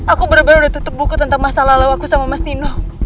aku bener bener udah tutup buku tentang masalah lawaku sama mas nino